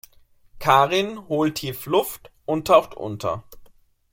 Karin holt tief Luft und taucht unter.